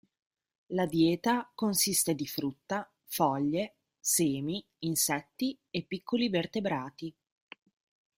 La dieta consiste di frutta, foglie, semi, insetti e piccoli vertebrati.